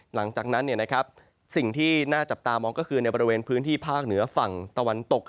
หลังจากนั้นสิ่งที่น่าจับตามองก็คือในบริเวณพื้นที่ภาคเหนือฝั่งตะวันตก